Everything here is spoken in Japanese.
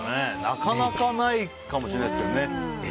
なかなかないかもしれないですけどね。